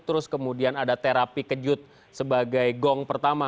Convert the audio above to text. terus kemudian ada terapi kejut sebagai gong pertama